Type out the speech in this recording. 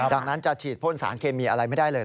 ดังนั้นจะฉีดพ่นสารเคมีอะไรไม่ได้เลย